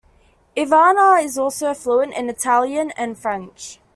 Ivana is also fluent in Italian and French.